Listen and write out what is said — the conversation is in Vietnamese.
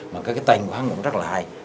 mà cái tên của hắn cũng rắc lại